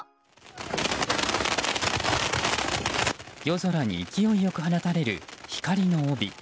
夜空に勢いよく放たれる光の帯。